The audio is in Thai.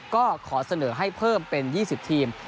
ก็ขอเสนอให้เพิ่มเป็น๒๐ทีม